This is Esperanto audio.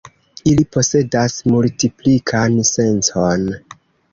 Ili posedas multiplikan sencon.